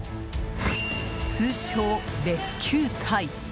通称、レスキュー隊。